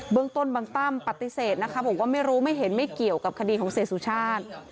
เมืองต้นบางตั้มปฏิเสธนะคะบอกว่าไม่รู้ไม่เห็นไม่เกี่ยวกับคดีของเสียสุชาติ